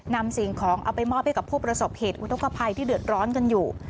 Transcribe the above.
สิ่งของเอาไปมอบให้กับผู้ประสบเหตุอุทธกภัยที่เดือดร้อนกันอยู่